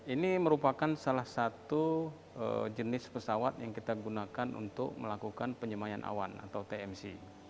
ini merupakan salah satu jenis pesawat yang kita gunakan untuk melakukan penyemayan awan atau tmc